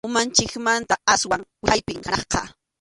Umanchikmanta aswan wichaypim hanaqqa.